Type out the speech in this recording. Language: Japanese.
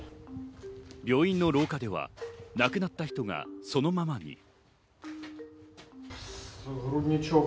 病院の廊下では亡くなった人がそのままに。